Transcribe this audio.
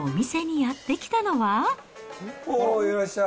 おー、いらっしゃい。